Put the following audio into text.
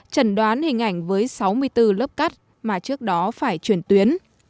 trần đoán hình ảnh với sáu mươi bốn lớp cắt mà trước đó phải truyền tuyến